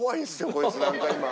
こいつなんか今。